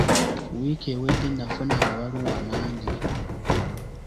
Wiiki ewedde nafuna amabaluwa mangi.